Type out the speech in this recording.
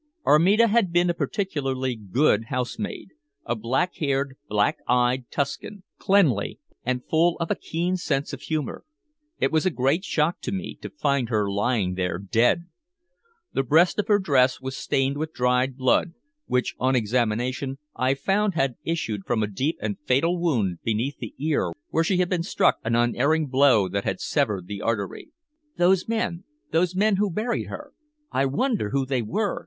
Armida had been a particularly good housemaid, a black haired, black eyed Tuscan, quick, cleanly, and full of a keen sense of humor. It was a great shock to me to find her lying there dead. The breast of her dress was stained with dried blood, which, on examination, I found had issued from a deep and fatal wound beneath the ear where she had been struck an unerring blow that had severed the artery. "Those men those men who buried her! I wonder who they were?"